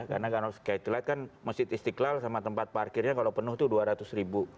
karena katedral kan masih istiklal sama tempat parkirnya kalau penuh itu dua ratus ribu